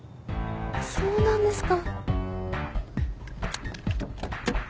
そうなんですか。